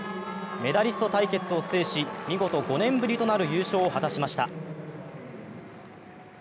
メダリスト対決を制し見事５年ぶりとなる優勝を果たしました。